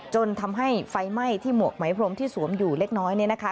จนทำให้ไฟไหม้ที่หมวกไหมพรมที่สวมอยู่เล็กน้อยเนี่ยนะคะ